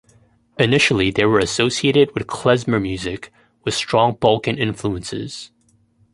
Initially, they were associated with klezmer music with strong Balkan influences.